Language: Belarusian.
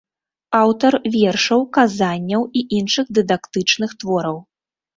Аўтар вершаў, казанняў і іншых дыдактычных твораў.